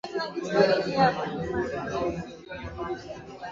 Mji wa stone town Zanzibar una takribani misikiti hamsini na moja